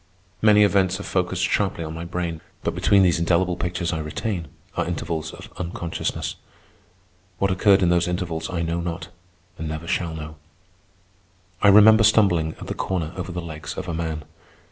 Many events are focussed sharply on my brain, but between these indelible pictures I retain are intervals of unconsciousness. What occurred in those intervals I know not, and never shall know. I remember stumbling at the corner over the legs of a man.